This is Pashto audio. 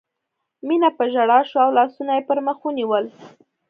مينه په ژړا شوه او لاسونه یې پر مخ ونیول